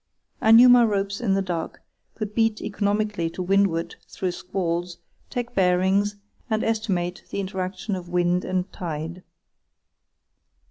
I knew my ropes in the dark, could beat economically to windward through squalls, take bearings, and estimate the interaction of wind and tide.